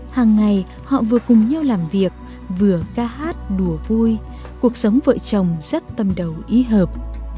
hàng ngày họ vừa cùng nhau làm việc vừa ca hát đùa vui cuộc sống vợ chồng rất tâm đầu ý hợp